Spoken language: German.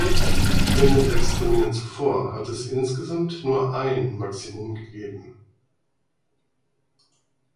In den sechs Turnieren zuvor hatte es insgesamt nur ein Maximum gegeben.